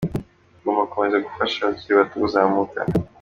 Tugomba gukomeza gufasha abakiri bato kuzamuka.